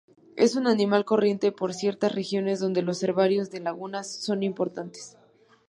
Es un animal corriente por ciertas regiones donde los herbarios de lagunas son importantes.